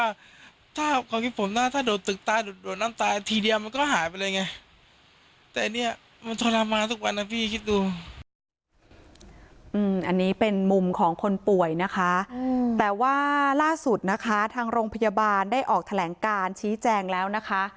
อันนี้เป็นมุมของคนป่วยนะคะแต่ว่าล่าสุดนะคะทางโรงพยาบาลได้ออกแถลงการชี้แจงแล้วนะคะ